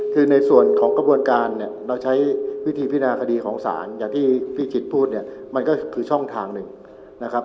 คือในส่วนของกระบวนการเนี่ยเราใช้วิธีพินาคดีของศาลอย่างที่พี่ชิตพูดเนี่ยมันก็คือช่องทางหนึ่งนะครับ